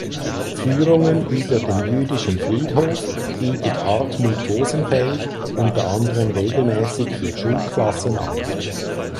Führungen über den jüdischen Friedhof bietet Hartmut Hosenfeld unter anderem regelmäßig für Schulklassen an.